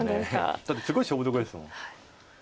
だってすごい勝負どこですもん。